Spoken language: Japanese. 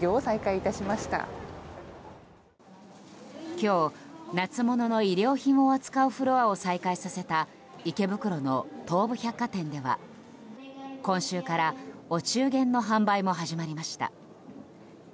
今日、夏物の衣料品を扱うフロアを再開させた池袋の東武百貨店では今週からお中元の販売も始まりました。